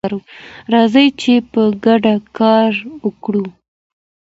راځئ چې په ګډه کار وکړو.